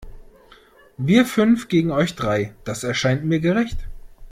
Wir fünf gegen euch drei, das erscheint mir gerecht.